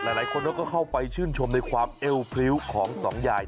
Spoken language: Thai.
หลายคนเขาก็เข้าไปชื่นชมในความเอวพริ้วของสองยาย